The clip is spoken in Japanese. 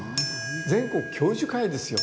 全国教授会ですよ。